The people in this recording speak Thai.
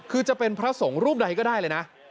คือจะเป็นพระสงฆ์รูปใดก็ได้เลยนะ